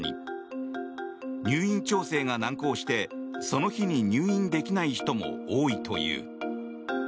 入院調整が難航してその日に入院できない人も多いという。